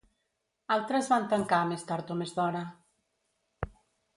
Altres van tancar més tard o més d'hora.